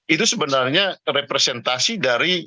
itu sebenarnya representasi dari